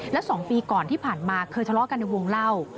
และ๒ปีก่อนที่ผ่านมาเคยทะเลาะกันในวงเล่า